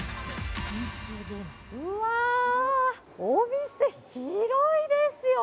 うわー、お店広いですよ。